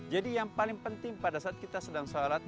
yang paling penting pada saat kita sedang sholat